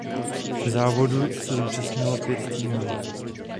Závodu se zúčastnilo pět týmů.